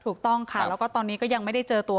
ถูกต้องค่ะแล้วก็ตอนนี้ก็ยังไม่ได้เจอตัว